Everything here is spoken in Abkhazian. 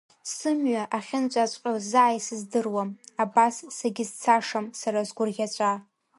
Сымҩа ахьынҵәаҵәҟьо заа исыздыруам, абас сагьызцашам сара сгәырӷьаҵәа.